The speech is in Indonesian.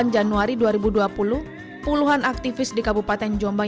sembilan januari dua ribu dua puluh puluhan aktivis di kabupaten jombang